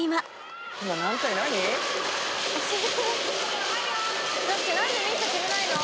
何で見せてくれないの？